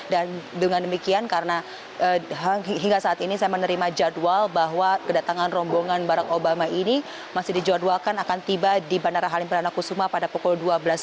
dan dengan demikian karena hingga saat ini saya menerima jadwal bahwa kedatangan rombongan barack obama ini masih dijadwalkan akan tiba di bandara halim perdana kusuma pada pukul dua belas lima puluh